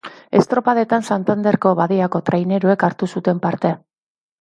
Estropadetan Santanderko badiako traineruek hartu zuten parte.